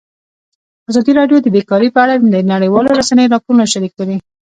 ازادي راډیو د بیکاري په اړه د نړیوالو رسنیو راپورونه شریک کړي.